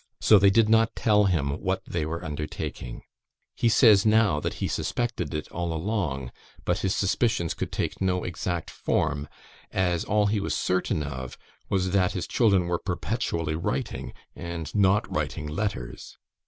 So they did not tell him what they were undertaking. He says now that he suspected it all along, but his suspicions could take no exact form, as all he was certain of was, that his children were perpetually writing and not writing letters.